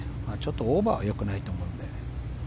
オーバーはよくないと思うので。